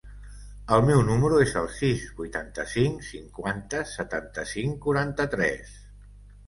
El meu número es el sis, vuitanta-cinc, cinquanta, setanta-cinc, quaranta-tres.